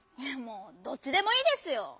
もうどっちでもいいですよ。